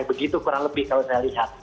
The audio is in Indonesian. begitu kurang lebih kalau saya lihat